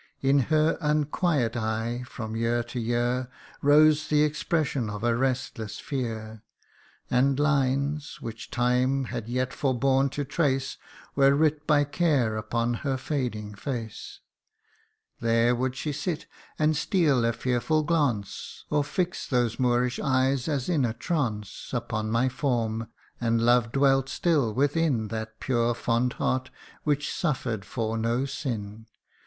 In her unquiet eye from year to year Rose the expression of a restless fear, And lines, which time had yet forborne to trace, Were writ by care upon her fading face. CANTO II. " 47 There would she sit, and steal a fearful glance, Or fix those Moorish eyes as in a trance Upon my form ; and love dwelt still within That pure fond heart which suffer'd for no sin.